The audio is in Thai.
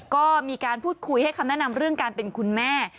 ก็มีการพูดคุยให้คำแนะนำเรื่องการเป็นคุณแม่